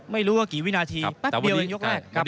ไม่รู้ว่ากี่วินาทีแป๊บเดียวเองยกแรก